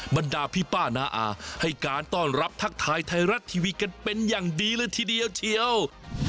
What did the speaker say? บรรดาพี่ป้านาอาให้การต้อนรับทักทายไทยรัฐทีวีกันเป็นอย่างดีเลยทีเดียวเชียว